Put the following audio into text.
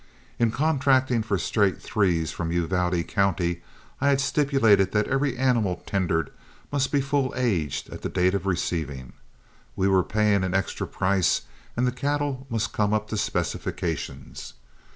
In contracting for the straight threes from Uvalde County, I had stipulated that every animal tendered must be full aged at the date of receiving; we were paying an extra price and the cattle must come up to specifications.